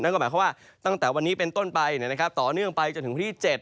ก็หมายความว่าตั้งแต่วันนี้เป็นต้นไปต่อเนื่องไปจนถึงวันที่๗